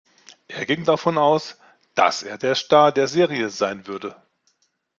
Er ging davon aus, dass er der Star der Serie sein würde.